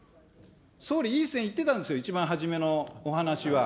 総理、いい線いってたんですよ、一番初めのお話は。